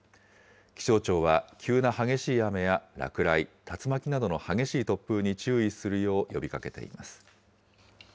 気象庁は急な激しい雨や落雷、竜巻などの激しい突風に注意するよう呼びかけています。